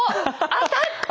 当たった！